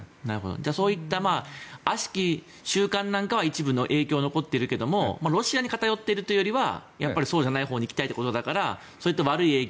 そういったあしき習慣なんかは一部、影響が残っているけどロシアに偏っているというよりはそうじゃないほうに行きたいということだからそういった悪い影響